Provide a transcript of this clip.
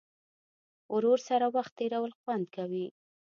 ورور سره وخت تېرول خوند کوي.